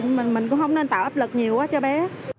nhưng mình cũng không nên tạo áp lực nhiều quá cho bé